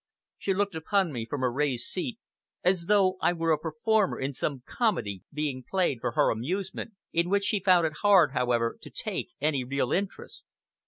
She looked upon me from her raised seat, as though I were a performer in some comedy being played for her amusement, in which she found it hard, however, to take any real interest.